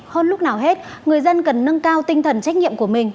hơn lúc nào hết người dân cần nâng cao tinh thần trách nhiệm của mình